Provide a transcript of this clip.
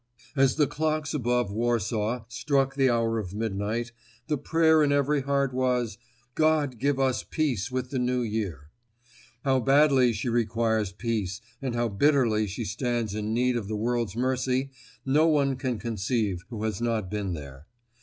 As the clocks above Warsaw struck the hour of midnight, the prayer in every heart was, "God give us peace with the New Year." How badly she requires peace and how bitterly she stands in need of the world's mercy, no one can conceive who has not been here.